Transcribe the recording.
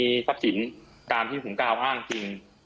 มีทรัพย์สินตามที่ผมกล่าวอ้างจริง